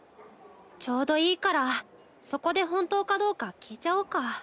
ちょうどいいからそこで本当かどうか聞いちゃおうか。